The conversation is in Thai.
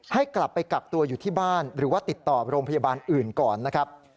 ให้กลับไปกักตัวอยู่ที่บ้านหรือว่าติดต่อโรงพยาบาลอื่นก่อนนะครับ